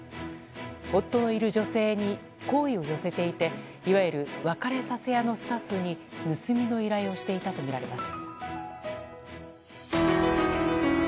夫のいる女性に好意を寄せていていわゆる別れさせ屋のスタッフに盗みの依頼をしていたとみられます。